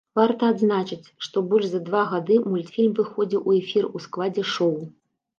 Варта адзначыць, што больш за два гады мультфільм выходзіў у эфір у складзе шоў.